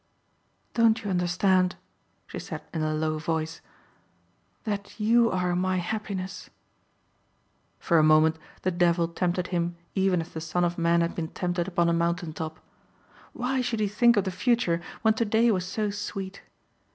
"Don't you understand," she said in a low voice, "that you are my happiness?" For a moment the devil tempted him even as the Son of Man had been tempted upon a mountain top. Why should he think of the future when today was so sweet?